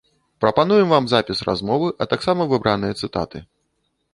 Прапануем вам запіс размовы, а таксама выбраныя цытаты.